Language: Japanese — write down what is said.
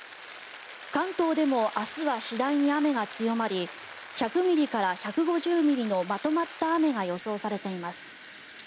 関東でも明日は次第に雨が強まり１００ミリから１５０ミリのまとまった雨が予想されています。